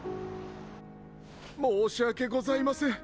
申し訳ございません！